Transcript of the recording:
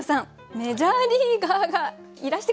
メジャーリーガーがいらしてくれました。